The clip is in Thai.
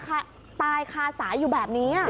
ช็อตตายคาเสาตายคาสายอยู่แบบนี้